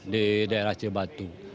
di daerah cibatu